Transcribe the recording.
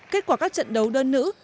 kết quả các trận đấu đơn nữ